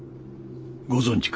ご存じか？